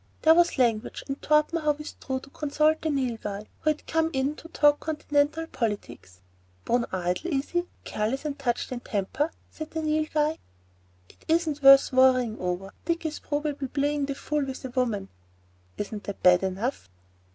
There was Language, and Torpenhow withdrew to consult the Nilghai, who had come in to talk continental politics. "Bone idle, is he? Careless, and touched in the temper?" said the Nilghai. "It isn't worth worrying over. Dick is probably playing the fool with a woman." "Isn't that bad enough?"